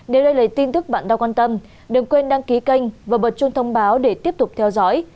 đến đây là tin tức bạn đọc quan tâm đừng quên đăng ký kênh và bật chuông thông báo để tiếp tục theo dõi